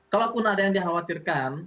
kalaupun ada yang dikhawatirkan